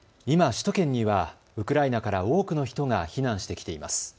今、首都圏にはウクライナから多くの人が避難してきています。